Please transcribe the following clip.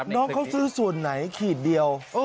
น้องเขาซื้อส่วนไหนขีดเดียว